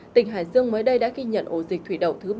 tỉnh hải dương mới đây đã ghi nhận ổ dịch thủy đậu thứ ba